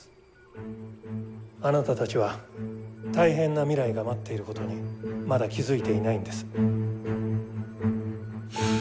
あなたたちは大変な未来が待っていることにまだ気付いていないんです。